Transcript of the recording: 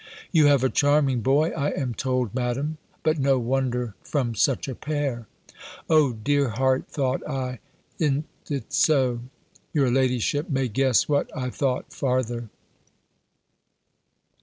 "You have a charming boy, I am told, Madam; but no wonder from such a pair!" "O dear heart," thought I, "i'n't it so!" Your ladyship may guess what I thought farther.